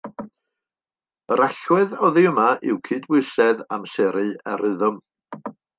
Yr allwedd oddi yma yw cydbwysedd, amseru a rhythm